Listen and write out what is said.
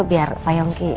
biar pak yongki